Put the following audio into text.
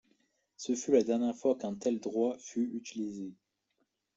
Ce fut la dernière fois qu'un tel droit fut utilisé.